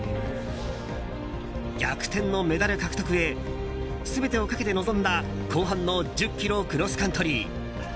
逆転のメダル獲得へ全てをかけて臨んだ後半の１０ｋｍクロスカントリー。